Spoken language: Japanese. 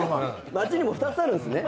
待ちにも２つあるんですね。